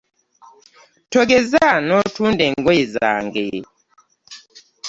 Togeza nootunda engoye zange.